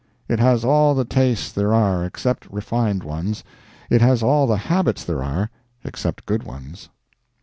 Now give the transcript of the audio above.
It has all the tastes there are except refined ones, it has all the habits there are except good ones.